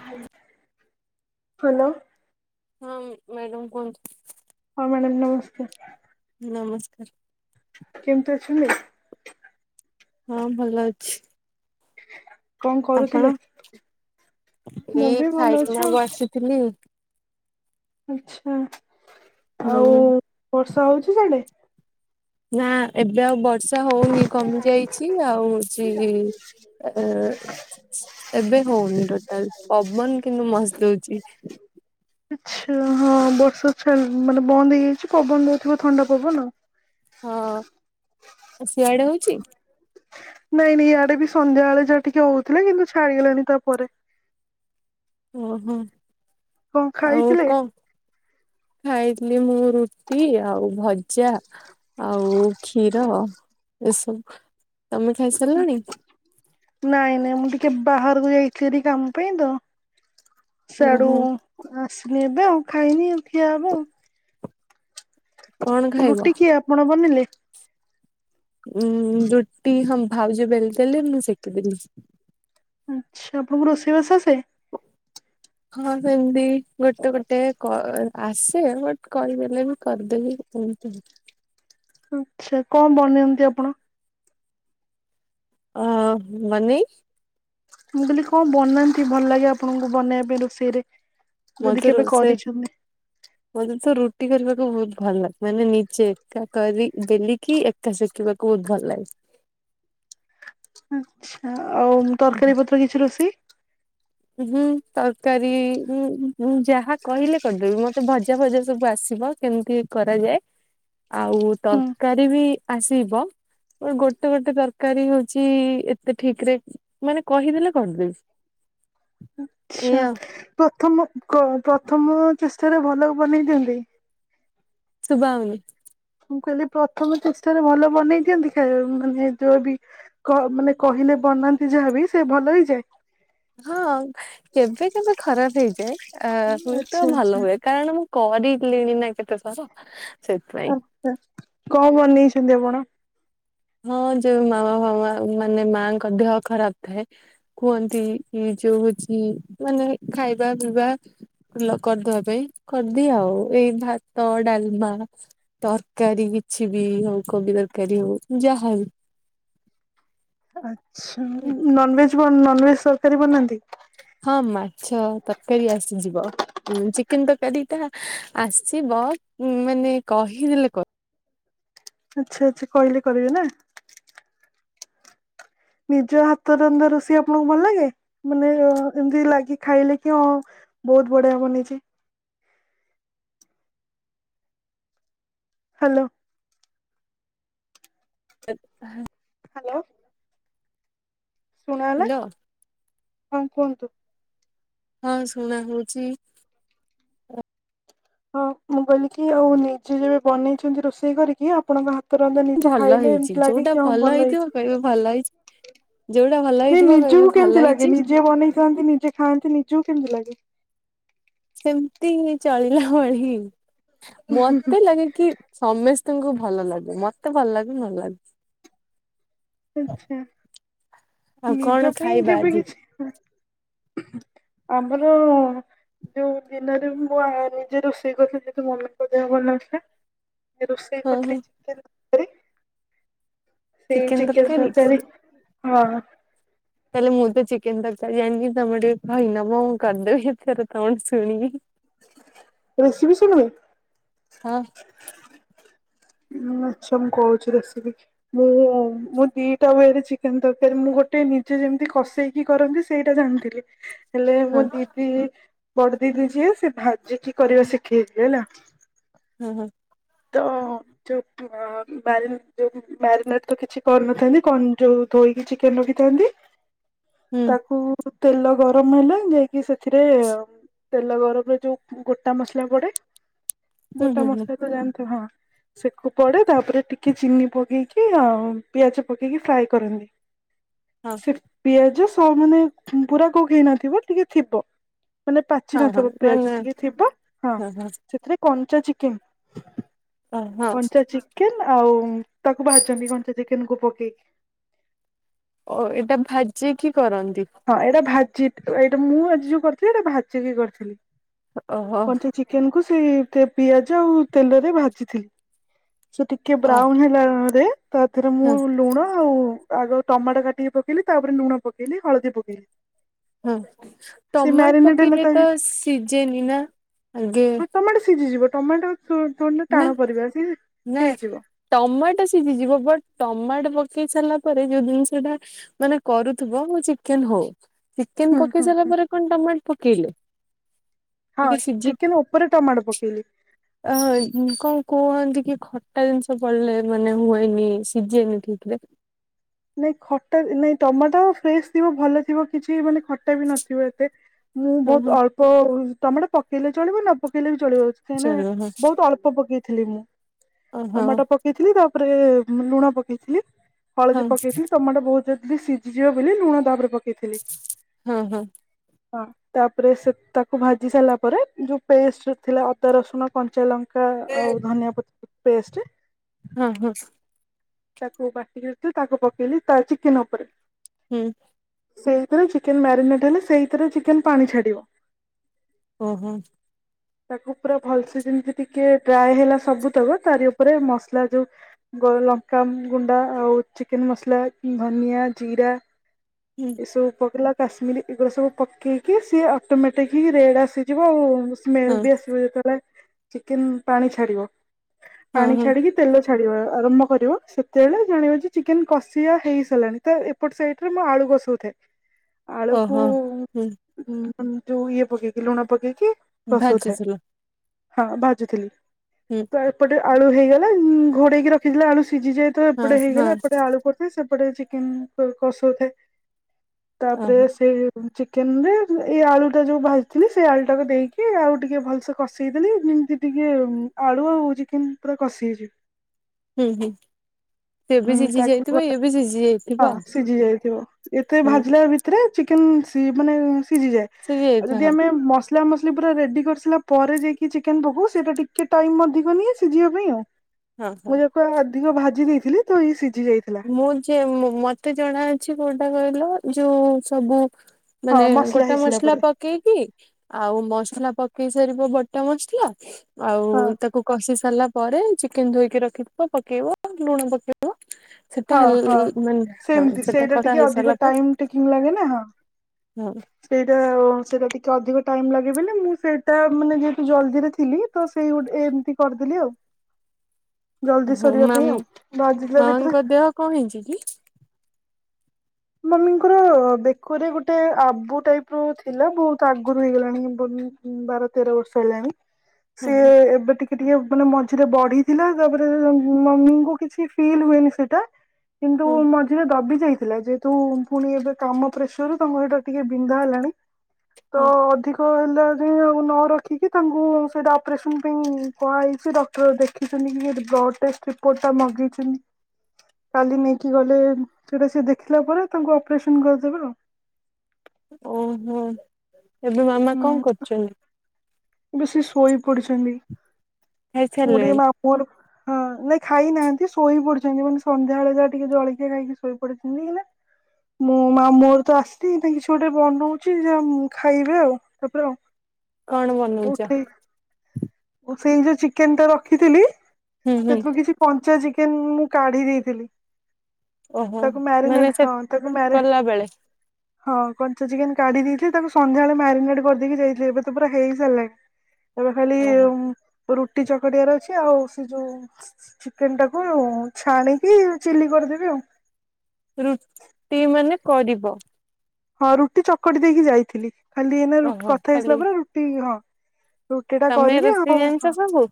ହାଲ୍ ହାଲୋ। ହଁ ଉଁ ମ୍ୟାଡାମ୍ କୁହନ୍ତୁ? ହଁ ମ୍ୟାଡ଼ାମ୍ ନମସ୍କାର। ନମସ୍କାର। କେମତି ଅଛନ୍ତି? ହଁ ଭଲ ଅଛି। କଣ ଆପଣ କରୁଥିଲେ? ମୁଁ ଏଇ ବି ଭଲ ଅଛି ଖାଇକିନା ଆଉ ବସିଥିଲି। ଆଛା। ଆଉ ହୁଁ। ବର୍ଷା ହୋଉଛି ସିଆଡେ? ନା ଏବେ ଆଉ ବର୍ଷା ହଉନି କମି ଯାଇଛି ଆଉ ହଉଛି ଆ ଏ ଏବେ ହୋଉନି ଟୋଟାଲ ପବନ କିନ୍ତୁ ମସ୍ତ ହୋଉଛି। ଆଛା ହଁ ବର୍ଷାଛା ମାନେ ବନ୍ଦ ହେଇଯାଇଛି ପବନ ଦୋଉଥିବ ଥଣ୍ଡା ପବନ। ହଁ ସିଆଡେ ହୋଉଛି? ନାଇଁ ନାଇଁ ଇଆଡେ ବି ସନ୍ଧ୍ୟାବେଳେ ଯାହା ଟିକେ ହୋଉଥିଲା କିନ୍ତୁ ଛାଡିଗଲାଣି ତାପରେ। ଓହୋ କଣ ଆଉ ଖାଇଥିଲେ? କଣ? ଖାଇଥିଲି ମୁଁ ରୁଟି ଆଉ ଭଜା। ଆଉ କ୍ଷୀର ଏସବୁ ତମେ ଖାଇ ସାରିଲଣି? ନାଇଁ ନାଇଁ ମୁଁ ଟିକେ ବାହାରକୁ ଯାଇଥିଲି କାମ ପାଇଁ ତ ସିଆଡୁ ଓହୋ। ଆସିଲି ଏବେ ଆଉ ଖାଇନି ଖିଆ ହେବ ଆଉ। କଣ ଖାଇବ? ରୁଟି କିଏ ଆପଣ ବନେଇଲେ? ଉଁ ରୁଟି ହଁ ଭାଉଜ ବେଲି ଦେଲେ ମୁଁ ସେକିଦେଲି। ଆଚ୍ଛା ଆପଣଙ୍କୁ ରୋଷେଇ ବାସ ଆସେ? ହଁ ସେମତି ଗୋଟେ ଗୋଟେ କ ଆସେ ବଟ କହିଦେଲେ ବି କରିଦେବି ଏମତି ଆଛା କଣ ବନାନ୍ତି ଆପଣ? ଆ ମାନେ? ମୁଁ କହିଲି କଣ ବନାନ୍ତି ଭଲ ଲାଗେ ଆପଣଙ୍କୁ ବନେଇବା ପାଇଁ ରୋଷେଇରେ? ମତେ ରୋଷେଇ ହ ମୋତେ ତ ରୁଟି କରିବାକୁ ବହୁତ ଭଲ ଲାଗେ ମାନେ ନିଜେ ଏକା କରି ଦେଲିକି ଏକ କା ଶିଖିବାକୁ ବହୁତ ଭଲ ଲାଗେ। ଆଛା ଆଉ ତରକାରୀ ପତ୍ର କିଛି ରୋଷେଇ? ହୁଁ ତରକାରୀ ଉଁ ଯାହା କହିଲେ କରିଦେବି ମତେ ଭଜା ଭଜା ସବୁ ଆସିବ କେମିତି କରାଯାଏ ଆଉ ତରକାରୀ ବି ଆସିବ ଗୋଟେ ଗୋଟେ ତରକାରୀ ହଉଛି ଏତେ ଠିକରେ ମାନେ କହିଦେଲେ କରିଦେବି। ଆଛା ଏଇଆ ପ୍ରଥମ କ ପ୍ରଥମ ଚେଷ୍ଟାରେ ଭଲ ବନେଇ ଦିଅନ୍ତି? ସୁୁଭାହୋଉନି। ମୁଁ କହିଲି ପ୍ରଥମ ଚେଷ୍ଟାରେ ଭଲ ବନେଇ ଦିଅନ୍ତି ଖାଇବା ମାନେ ଯୋଉ ବି? କ ମାନେ କହିଲେ ବନାନ୍ତି ଯାହାବି ସେ ଭଲ ହେଇଯାଏ? ହଁ କେବେ କେବେ ଖରାପ ହେଇଯାଏ। ହୁଏତ ଆଚ୍ଛା ଆ ଭଲ ଆଚ୍ଛା ହୁଏ। କାରଣ ମୁଁ କରିଲିଣି ନା କେତେ ଥର ସେଇଥିପାଇଁ। ଆଛା କଣ ବନେଇଛନ୍ତି ଆପଣ? ହଁ ଯୋଉ ମାମା ମାମା ମାନେ ମାଙ୍କ ଦେହ ଖରାପ ଥାଏ କୁହନ୍ତି ଇ ଯୋଉ ହୋଉଛି ମାନେ ଖାଇବା ପିଇବା ଲ କରିଦବା ପାଇଁ କରିଦିଏ ଆଉ। ଏଇ ଭାତ ଡାଲମା ତରକାରୀ କିଛି ବି ହଉ କୋବି ତରକାରୀ ହଉ ଯାହାବି ଆଛା ନନଭେଜ ବନ୍ ନନଭେଜ ତରକାରୀ ବନାନ୍ତି? ହଁ ମାଛ ତରକାରୀ ଆସିଯିବ। ଚିକେନ ତରକାରୀଟା ଆସିବ ମାନେ କହିଦେଲେ କ ଆଚ୍ଛା ଆଚ୍ଛା କହିଲେ କରିବେ ନା? ନିଜ ହାତରନ୍ଧା ରୋଷେଇ ଆପଣଙ୍କୁ ଭଲ ଲାଗେ ମାନେ ଏମତି ଲାଗି ଖାଇଲେ କି ହଁ ବହୁତ୍ ବଢିଆ ବନେଇଛି। ହ୍ୟାଲୋ। ହଁ। ହ୍ୟାଲୋ। ଶୁଣ ହେଲା, ହ୍ୟାଲୋ ହଁ କୁହନ୍ତୁ। ହଁ ଶୁଣା ହଉଚି। ହଁ ମୁଁ କହିଲି କି ଆଉ ନିଜେ ଯଉ ବନେଇଛନ୍ତି ରୋଷେଇ କରିକି ଆପଣଙ୍କ ହା ତ ରନ୍ଧା ନିଜେ ଭଲ ଖାଇଲେ ହେଇଛି ଏମିତି ଲାଗେ ଯୋଉଟା କି ହଁ ଭଲ ହେଇଥିବ ହେଇଚି। କହିବେ ଭଲ ହେଇଛି। ଯୋଉଟା ଭଲ ନାଇଁ ହେଇଥିବ କହିବେ ନିଜକୁ ଭଲ କେମିତି ହେଇଛି ଲାଗେ? ନିଜେ ବନେଇଥାନ୍ତି ନିଜେ ଖାଆନ୍ତି ନିଜକୁ କେମିତି ଲାଗେ? ସେମତି ଚଳିଲା ଭଳି। ମତେ ଲାଗେ କି ସମସ୍ତଙ୍କୁ ଭଲ ଲାଗୁ। ମତେ ଭଲ ଲାଗୁ ନଲାଗୁ। ଆଛା। ଆଉ କଣ ନିଜ ପାଇଁ ଖାଇବା କେବେ ଆଜି କିଛି ଆମର ଯୋଉ ଦିନରେ ମୁଁ ନିଜେ ରୋଷେଇ କରିଥିଲି ଯେହେତୁ ମମିଙ୍କ ଦେହ ଭଲନଥିଲା। ରୋଷେଇ ହଁ ହଁ କରିଥିଲି ଚିକେନ୍ ତରକାରୀ। ସେଇ ଚିକେନ୍ ତ ଚିକେନ ତରକାରୀ ହଁ। ତାହେଲେ ମୁଁ ତ ଚିକେନ ତରକାରୀ ଜାଣିନି ତମେ ଟିକେ କହିଦବ ମୁଁ କରିଦେବି ତମଠୁ ଶୁଣିକି। ରେସିପି ଶୁଣିବେ? ହ। ଉଁ ଆଚ୍ଛା ମୁଁ କହୁଚି ରେସିପି। ମୁଁ ମୁଁ ଦିଟା ୱେ ରେ ଚିକେନ ତରକାରୀ ମୁଁ ଗୋଟେ ନିଜେ ଯେମିତି କଷେଇ କି କରନ୍ତି ସେଇଟା ଜାଣିଥିଲି। ହେଲେ ହଁ ମୋ ଦିଦି ବଡ ଦିଦି ଯିଏ ସେ ଭାଜିକି କରିବା ଶିଖେଇଥିଲେ ହେଲା। ଉଁ ହୁଁ। ତ ଯଉ। [unintelligible] ମ୍ୟାରିନେଟ ତ କିଛି କରିନଥାନ୍ତି କଣ ଯୋଉ ଧୋଇକି ଚିକେନ ରଖିଥାନ୍ତି। ହୁଁ ତାକୁ ତେଲ ଗରମ ହେଲେ ଯାଇକି ସେଥିରେ ତେଲ ଗରମରେ ଯୋଉ ଗୋଟା ମସଲା ପଡେ। ହୁଁ ହୁଁ ଗୋଟା ହୁଁ ମସଲା ତ ଜାଣିଥିବେ। ହଁ। ସେକୁ ପଡେ। ତାପରେ ଟିକେ ଚିନି ପକେଇକି ଆଉ ପିଆଜ ପକେଇକି ଫ୍ରାଏ କରନ୍ତି। ହଁ ସେ ପିଆଜ ମାନେ ସ ପୁରା କୁକ୍ ହେଇନଥିବ ଟିକେ ଥିବ। ମାନେ ପାଚି ହଁ ହଁ ନଥିବ ମାନେ ପିଆଜ ଟିକେ ଥିବ ହଁ। ସେଥିରେ କଞ୍ଚା ଚିକେନ ଅ ହଁ। କଞ୍ଚା ଚିକେନ ଆଉ ତାକୁ ଭାଛନ୍ତି କଞ୍ଚା ଚିକେନ କୁ ପକେଇକି। ଓ ଏଇଟା ଭାଜିକି କରନ୍ତି। ହଁ ଏଇଟା ଭାଜି ଏଇଟା ମୁଁ ଆଜି ଯୋଉ କରିଥିଲି ଏଇଟା ଭାଜିିକି କରିଥିଲି। ଓହୋ। କଞ୍ଚା ଚିକେନ କୁ ସେଇ ପିଆଜ ଆଉ ତେଲରେ ଭାଜିଥିଲି। ସେଠି ଟିକେ ଅ ବ୍ରାଉନ ହେଲାରେ ତାଥିରେ ମୁଁ ହଁ ଲୁଣ ଆଉ ଆଗ ଟମାଟୋ କାଟିକି ପକେଇଲି। ତାପରେ ଲୁଣ ପକେଇଲି ହଳଦୀ ପକେଇଲି। ହଁ। ସେ ଟମାଟ ମ୍ୟାରିନେଟ ହେଲା ପକେଇଲେ ତା ତ ଭିତରେ ସିଝେନି ନା ଆଗେ। ହଁ ଟମାଟୋ ସିଝିଯିବ। ଟମାଟୋ ଥୋ ଥୋଡ଼ିନା ଟାଣ ପରିବା ସେ ହେଇଯିବ। ଟମାଟ ସିଝିଯିବ। ବଟ ଟମାଟ ପକେଇ ସାରିଲା ପରେ ଯୋଉ ଜିନିଷ ଟା ମାନେ କରୁଥିବ ମୁଁ ଚିକେନ ହଉ ହୁଁ ଚିକେନ ପକେଇ ହୁଁ ସାରିଲା ହୁଁ ପରେ କଣ ଟମାଟ ପକେଇଲେ? ହଁ ଟିକେ ସିଝି ଚିକେନ ଉପରେ ଟମାଟ ପକେଇଲି। [unintelligible] କଣ କୁହନ୍ତି କି ଖଟା ଜିନିଷ ପଡିଲେ ମାନେ ହୁଏନି ସିଝେନି ଠିକ ରେ। ନାଇଁ ଖଟା ନାଇଁ ଟମାଟୋ ଫ୍ରେଶ ଥିବ ଭଲ ଥିବ କିଛି ମାନେ ଖ ଖାଟା ବି ନଥିବ ଏତେ। ମୁଁ ହଁ ହଁ ବହୁତ ଅଳ୍ପ ଟମାଟ ପକେଇଲେ ଚଳିବ ନ ପକେଇଲେ ବି ଚଳିବ। କାହିଁକି ନା ଚଳିବ ହଁ ବହୁତ ଅଳ୍ପ ପକେଇଥିଲି ମୁଁ। ଓ ହଁ ଟମାଟ ପ କେଇଥିଲି ତାପରେ ଲୁଣ ପକେଇଥିଲି ହଳଦୀ ହଁ ପକେଇଥିଲି ଟମାଟ ବହୁତ ଜଲଦି ସିଝ ଝିବ ବୋଲି ଲୁଣ ତାପରେ ପକେଇଥିଲି। ହଁ ହଁ। ହଁ ତାପରେ ସେ ତାକୁ ଭାଜି ସାରିଲା ପରେ ଯୋଉ ପେଷ୍ଟ ଥିଲା ଅଦା ରସୁଣ କଞ୍ଚା ଲ କା ଆଉ ଧନିଆ ପତ୍ର ପେଷ୍ଟ ହଁ, ହଁ। ତାକୁ ବାଟିକି ରଖିଲି, ତାକୁ ପକେଇଲି ତା ଚିକେନ ଉପରେ। ହୁଁ। ସେଇଥିରେ ଚିକେନ ମ୍ୟାରିନେଟ୍ ହେଲେ, ସେଇଥିରେ ଚିକେନ ପାଣି ଛାଡ଼ିବ। ଓହୋ। ତାକୁ ପୁରା ଭଲସେ, ଯେମତି ଟିକେ ଡ୍ରାଏ ହେଲା ସବୁ ତକ। ତାରି ଉପରେ ମସଲା ଯୋଉ ଗୋଲ ଲଙ୍କା ଗୁଣ୍ଡ, ଆଉ ଚିକେନ୍ ମସଲା, ଧନିଆ, ଜିରା, ହୁଁ। ଏସବୁ ପକେଇଲା କାଶ୍ମୀରୀ, ଏଗୁରା ସବୁ ପକେଇକି ସିଏ ଅଟୋମେଟିକ୍ ହି ରେଡ୍ ଆସିଯିବ ଆଉ। ସ୍ମେଲ୍ ହଁ ବି ଆସିବ। ଯେତେଳେ ଚିକେନ୍ ପାଣି ଛାଡିବ। ହଁ ପାଣି ହଁ ଛାଡିକି ତେଲ ଛାଡ଼ିବା ଆରମ୍ଭ କରିବ। ସେତେବେଳେ ଜାଣିବା ଯେ ଚିକେନ଼୍ କଷିଆ ହେଇସାରାଲାଣି। ତ ଏପଟେ ସାଇଟ଼୍ ରେ ମୁଁ ଆଳୁ କଷା ଉ ଥାଏ। ଆଳୁକୁ ଓହୋ। ହୁଁ ଯୋଉ ଇଏ ପକେଇକି, ଲୁଣ ପକେଇକି କଷଉ ଥାଏ। ଭାଜୁଥିଲ ହଁ, ଭାଜୁଥିଲି। ହୁଁ। ତ ଏପଟେ ଆଳୁ ହେଇଗଲା। ଘୋଡେଇକି ରଖିଥିଲା ଆଳୁ ସିଝି ଯାଇ, ତ ହଁ ଏପଟ ହେଇଗଲା। ହଁ ଏପଟେ ଆଳୁ ପୋ ସେପଟେ ଚିକେନ୍ କ-କଷଉ ଥାଏ। ତା'ପରେ ଓହୋ ସେ ଚିକେନ୍ ରେ, ଏଇ ଆଳୁ ଟା ଯୋଉ ଭାଜିଥିଲି। ସେଇ ଆଳୁ ଟାକୁ ଦେଇକି, ଆଉ ଟିକେ ଭଲ୍ ସେ କଷେଇଦେଲି। ଯେମିତି ଟିକେ, ଉମ୍ ଆଳୁ ଆଉ, ଚିକେନ୍ ପୁରା କଷି ହେଇଯିବ। ହୁଁ, ହୁଁ, ସେ ବି ହୁଁ ସିଝି ତାକୁ ଯାଇଥିବ। ଇଏ ବି ସିଝି ହଁ ଯାଇଥିବ ଆଉ। ସିଝି ଯାଇଥିବ। ଏତେ ଭାଜିଲା ଭିତରେ ଚିକେନ୍ ସି ମାନେ ସିଝିଯାଏ। ସିଝି ଆଉ, ଯାଇଥିବ ଯଦି ହଁ। ଆମେ ମସ୍ ମସଲା ମସଲି ପୁରା ରେଡ୍ଡୀ କରିସିଲା ପରେ ଯାଇକି ଚିକେନ଼୍ ପକଉ। ସେଟା ଟିକେ ଟାଇମ୍ ଅଧିକ ନିଏ ସିଝିବା ପାଇଁ ଆଉ। ହଁ, ହଁ। ତ ଅଧିକ ଭାଜି ଦେଇଥିଲି। ତ ଇଏ ସିଝି ଯାଇଥିଲା। ମୁଁ ଯେ, ମତେ ଜଣା ଅଛି, କୋଉଟା କହିଲ? ଯୋଉ ସବୁ ହଁ ମାନେ ଗୋଟା ହେଇସାରିଲା ମସଲା ପରେ ପକ୍ କେଇକି, ଆଉ ମସଲା ପକେଇସାରିବ ବଟା ମସଲା। ଆଉ ହଁ ତାକୁ କଷି ସାରିଲା ପରେ, ଚିକେନ୍ ଧୋଇକି ରଖିଥିବ। ପକେଇବ, ଲୁଣ ପକେଇବ। ସେଟା ହଁ ହେଲ୍ ହଁ। ମାନେ ହଁ, ସେମିତି ସେଟା ସେଇଟା କରା ଟିକେ ହେଇ ଅଧିକ ସାରିଲା ପା ଟାଇମ ଟେକିଂ ଲାଗେ ନା ହଁ ହୁଁ। ସେଇଟା ଆଉ, ସେଟା ଟିକେ ଅଧିକ ଟାଇମ୍ ଲାଗେବୋଲି, ମୁଁ ସେଇଟା ମାନେ ଯେହେତୁ ଜଲ୍ଦିରେ ଥିଲି ତ ସେଇ ଗୋଟେ, ଏମିତି କରିଦେଲିି ଆଉ। ଜଲ୍ଦି ହଁ ସରିବା ମାମ ପାଇଁ ଆଉ। ଭାଜିଲା ଭିତରେ ମାମାଙ୍କ ଦେହ କଣ ହେଇଁଚି କି? ମମିଙ୍କର ବେକରେ ଗୋଟେ ଆବୁ ଟାଇପ୍ ର ଥିଲା। ବହୁତ ଆଗରୁ ହେଇଗଲାଣି। ବୁନ୍ ବାର ତେର ବର୍ଷ ହେଲାଣି। ହଁ ସିଏ ହଁ ଏବେ ଟିକ୍ ଟିକେ ମାନେ ମଝିରେ ବଢିଥିଲା। ତା'ପରେ ମମିଙ୍କୁ କିଛି ଫିଲ୍ ହୁଏନି ସେଇଟା। କିନ୍ତୁ, ହଁ ମଝିରେ ଦବି ଯାଇଥିଲା ଯେ ତୁ ପୁଣି ଏବେ କାମ ପ୍ରେସର ତାଙ୍କୁ ହେଇଟା ଟିକେ ବିନ୍ଧା ହେଲାଣି। ତ ହଁ ଅଧିକ ତ ହେଲା ଯାଇଁ ଆଉ ନ ରଖିକି, ତାଙ୍କୁ ସେଇଟା ଅପରେସନ୍ ପାଇଁ କୁହାହେଇଛି। ଡକ୍ ତ ଦେଖିଛନ୍ତି ଇଏ, ବ୍ଲଡ଼ ଟେଷ୍ଟ ରିପୋର୍ଟ ଟା ମଗେଇଛନ୍ତି। କାଲି ନେଇକି ଗଲେ, ସେଟା ସିଏ ଦେଖିଲା ପରେ, ତାଙ୍କୁ ଅପରେସନ କରିଦେବେ ଆଉ। ଓହୋ! ଏବେ ମାମା ହୁଁ କଣ କରୁଚନ୍ତି? ଏବେ ସେ ଶୋଇ ପଡିଛନ୍ତି। ମୁଁ ଟିକେ, ଖାଇସାରିଲେଣି ମାମୁଁ ଅର ହଁ, ନାଇଁ ଖାଇନାହାଁନ୍ତି। ଶୋଇ ପଡିଛନ୍ତି ମାନେ ସନ୍ଧ୍ୟାବେଳେ ଯାହା ଟିକେ ଜଳଖିଆ ଖାଇକି ଶୋଇ ପଡିଛନ୍ତି କିନା। ମୁଁ, ମାମୁଁ ହରୁ ତ ଆସଲି। ହେତି ପାଇଁ କିଛି ଗୋଟେ ବନଉଛି, ଯେ ଖାଇବେ ଆଉ। ତା'ପରେ ଆଉ। କଣ ବନେଇଚ? ଉଠେଇ ସେଇ ଯୋଉ ଚିକେନ୍ ଟା ରଖିଥିଲି। ହୁଁ ହୁଁ ସେଥିରୁ କିଛି କଞ୍ଚା ଚିକେନ୍ ମୁଁ କାଢି ଦେଇଥିଲି। ଓହୋ ତାକୁ ମାନେ ମ୍ୟାରିନେଡ଼ ସେ ହଁ, ତାକୁ ମ୍ୟାରେ କଲା ବେଳେ ହଁ କଞ୍ଚା ଚିକେନ କାଢି ଦେଇଥିଲେ ତାକୁ ସନ୍ଧ୍ୟାବେଳେ ମ୍ୟାରିନେଟ୍ କରିଦେଇକି ଯାଇଥିଲ ଏ ତ ପୁରା ହେଇ ସାରିଲାଣି। ଏଵେ ଖାଲି ଓହୋ। ଉଁ ରୁଟି ଚକଟିଆର ଅଛି ଆଉ ସେ ଯୋଉ ଚିକେନ ଟାକୁ ଛାଣିକି ଚିଲ୍ଲୀ କରିଦେବି ଆଉ। ରୁଟି ମାନେ କରିବ। ହଁ ରୁଟି ଚକଟି ଦେଇକି ଯାଇଥିଲି ଖାଲି ଏଇନା ରୁଟ ଓହୋ କଥା ହେଇସାରିଲା ଖାଲି ପରେ ରୁଟି ହଁ ରୁଟି ଟା ତମେ କରିବି ରୋଷେଇ ଆଉ ଜାଣିଛ ହଁ। ସବୁ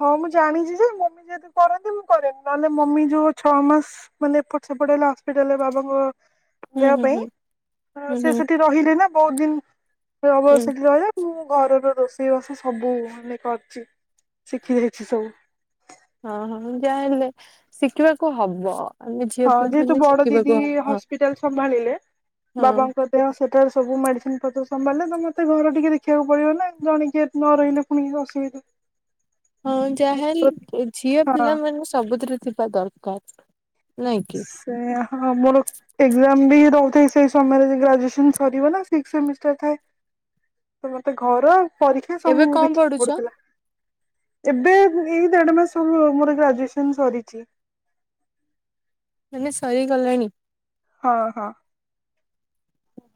ହଁ ମୁଁ ଜାଣିଛି ଯେ ମମି ଯେହେତୁ କରନ୍ତି ମୁଁ କରେନି ନହେଲେ ମମି ଯୋଉ ଛଅ ମାସ ମାନେ ଏପଟ ସେପଟ ହେଲା ହସ୍ପିଟାଲ ରେ ବାବାଙ୍କ ହୁଁ, ଦେହ ହୁଁ, ପାଇଁ ହୁଁ। ହୁଁ ସେ ହୁଁ ସେଠି ରହିଲେ ନା ବହୁତ ଦିନ ହବ ହୁଁ ସେଠି ରହିଲେ। ମୁଁ ଘରର ରୋଷେଇବାସ ସବୁ ମାନେ କରିଛି ଶିଖି ଯାଇଛି ସବୁ। ହଁ ହଁ ଯାହାହଲେ ଶିଖିବାକୁ ହବ। ଆମେ ଝିଅ ହଁ ପିଲା ଯେହେତୁ ମାନେ ବଡ ଶିଖିବାକୁ ଦିଦି ହବ ହସ୍ପିଟାଲ ସମ୍ଭାଳିଲେ ହଁ ବାବାଙ୍କ ଦେହ ସେଠାରେ ସବୁ ମେଡ଼ିସିନ ପତ୍ର ସମ୍ଭାଳିଲେ ତ ମୋତେ ଘର ଟିକେ ଦେଖିବାକୁ ପଡ଼ିବ ନା ଜଣେ କିଏ ନ ରହିଲେ ପୁଣି ଅସୁବିଧା ହଁ ଯାହା ହେଲେ ଝିଅ ହଁ ପିଲା ମାନ ସବୁଥିରେ ଥିବା ଦରକାର ନାଇଁ କି। ସେ ହଁ ମୁର ଏକଜାମ ମ ବି ରହୁ ଥାଏ ସେଇ ସମୟରେ ଗ୍ରାଜୁଏସ ସରିବ ନା ସିକ୍ସ ସେମିଷ୍ଟାର ଥାଏ। ତ ମତେ ଘର ପରୀକ୍ଷା ଏବେ ସବୁ କଣ ଦେଖିବାକୁ ପଢୁଛ ପଡୁଥିଲା। ଏବେ ଏଇ ଦେଢ ମାସ ହବ ମୋର ଗ୍ରାଜୁଏସନ୍ ସରିଛି। ମାନେ ସରିଗଲାଣି? ହଁ ହଁ।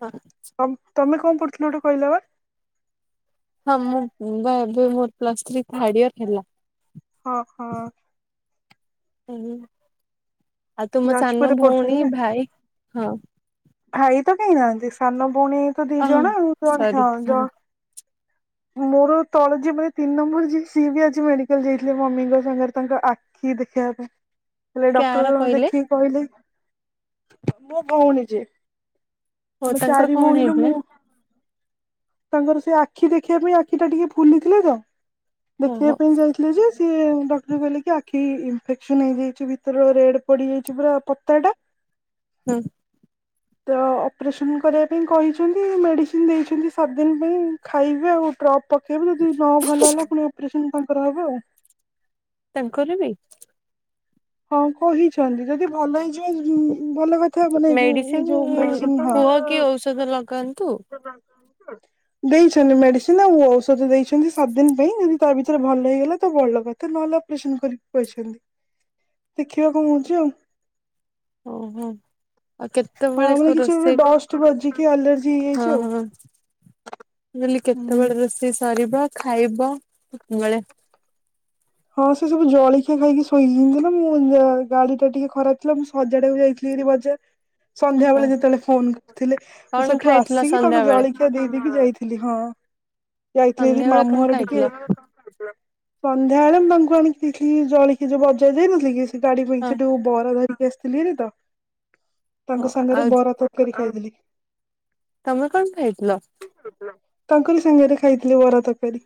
ହଁ। ତମ-ତମେ କଣ ପଢୁଥିଲ ଗୋଟେ କହିଲ ବା ହଁ ମୁଁ ମୁଁ ପା ଏଵେ [unintelligible] ପ୍ଲସ ଥ୍ରୀ ଥାର୍ଡ ଇୟର ହେଲା। ହଁ ହଁ। ହ ଆଉ ତୁମ ସାନ ଯାଜପୁରରେ ପଢୁଛନ୍ତି ଭଉଣୀ ନା ଭାଇ, ହଁ ଭାଇ ତ କେହି ନାହାନ୍ତି। ସାନ ଭଉଣୀ ତ ଦି ହଁ ଜଣ ଆଉ, ଜଣେ ସରି ହଁ ଜଣ ମୋର ତଳେ ଯିଏ ମାନେ ତିନି ନମ୍ବର ଯିଏ ସିଏ ବି ଆଜି ମେଡିକାଲ୍ ଯାଇଥିଲେ। ମମିଙ୍କ ସାଙ୍ଗରେ ତାଙ୍କ ଆ କି ଦେଖିବା ପାଇଁ। ହେଲେ ଡକ୍ଟର ଦେଖିକି କହିଲେ, ମୋ ଭଉଣୀ ଯିଏ ଓ ଆମେ ତାଙ୍କର ଚାରି କଣ ଭଉଣୀରୁ, ହେଇଥିଲା ମୁଁ ତାଙ୍କର ସେ ଆଖି ଦେଖିବା ପାଇଁ, ଆଖି ଟା ଟିକେ ଫୁଲିଥିଲା ତ ଓହୋ ଦେଖେଇବା ପାଇଁ ଯାଇ ଥିଲେ ସେ ସିଏ ଡକ୍ଟର କହିଲେ କି ଆଖି ଇନ୍ଫେକ୍ସନ ହେଇଯାଇଛି, ଭିତର ରେଡ୍ ପଡିଯାଇଛି ପୁରା ପତାଟା [inaudible] ହଁ। ତ ଅପରେସନ୍ କରିବା ପାଇଁ କହିଛନ୍ତି, ମେଡିସିନ୍ ଦେଇଛନ୍ତି ସାତଦିନ୍ ପାଇଁ ଖାଇବେ ଆଉ ଡ୍ରପ୍ ପକେଇବେ, ଯଦି ନ ଭଲ ହେଲା ଫୁଣି ଅପରେସନ୍ ତାଙ୍କର ହବ ଆଉ। ତାଙ୍କର ବି? ହଁ କହିଛନ୍ତି ଯଦି ଭଲ ହେଇ ଯେ ଭଲ କଥା ମାନେ ଯୋଉ ଏ ଯୋଉ ମେଡିସିନ ମେଡିସିନ୍ ହଁ କୁହ କି ଔଷଧ ଲଗାନ୍ତୁ ଲଗାନ୍ତୁ ଦେଇଛନ୍ତି ମେଡିସିନ୍ ଆଉ ଔଷଧ ଦେଇଛନ୍ତି ସାତ ଦିନ୍ ପାଇଁ। ଯଦି ତା ଭିତରେ ଭଲ ହେଇଗଲା ତ ଭଲ କଥା ତ ନହେଲେ ଅପରେସନ୍ କରି କହିଛନ୍ତି ଦେଖିବା କଣ ହଉଛି ଆଉ। ଓହୋ। ଆଉ କେ ହଁ ମାନେ ତେବେଳେକୁ କିଛି ଗୋଟେ ରୋଷେଇ ଡଷ୍ଟ ବାଜିକି ଆଲର୍ଜି ହେଇଯାଇଛି ହଁ, ଆଉ ହଁ। ମୁଁ କହିଲି ହୁଁ। କେତେବେଳେ ରୋଷେଇ ସରିବ ଖାଇବ କେତେବେଳ? ହଁ ସେ ସବୁ ଜଳଖିଆ ଖାଇକି ଶୋଇଛନ୍ତିନା ମୁଁ ଗାଡି ଟା ଟିକେ ଖରାପ ଥିଲା ମୁଁ ହଜାଡାକୁ ଯାଇଥିଲ ଏରି ବଜା ସନ୍ଧ୍ୟା ହଁ ବେଳେ ଯେତେବେଳେ ଫୋନ କରୁଥିଲେ। ମୁଁ କଣ ସେଠୁ ଖାଇଥିଲ ଆସିକି ସନ୍ଧ୍ୟା ତାଙ୍କୁ ବେଳେ ଜଳିକିଆ ଦେଇଦେଇକି ଯାଇଥିଲି। ଆଇଥିଲି ସନ୍ଧ୍ୟା ବେଳେ ମାମୁ କଣ ଘର ଟିକେ। ଖାଇଥିଲ [unintelligible] ବରା ଧରିକି ହଁ ଆସିଥିଲି ହେରି ତ ହଁ ତାଙ୍କ ସାଙ୍ଗରେ ଆଉ ବରା ତରକାରୀ ଖାଇଥିଲି। ତମେ କଣ ଖାଇଥିଲ? ତାଙ୍କଲି ସାଙ୍ଗରେ ଖାଇଥିଲେ ବରା ତରକାରୀ।